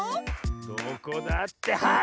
どこだってはい！